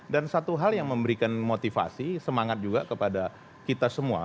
dan satu hal yang memberikan motivasi semangat juga kepada kita semua